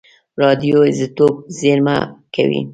راډیو ایزوتوپ زېرمه کوي.